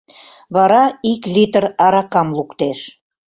Вара ик литр аракам луктеш.